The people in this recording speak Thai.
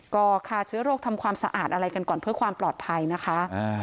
ก็ฆ่าเชื้อโรคทำความสะอาดอะไรกันก่อนเพื่อความปลอดภัยนะคะ